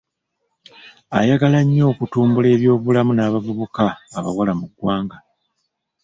Ayagala nnyo okutumbula ebyobulamu n'abavubuka abawala mu ggwanga